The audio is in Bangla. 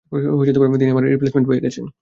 তিনি আমার রিপ্লেইসমেন্ট পেয়ে গেছেন।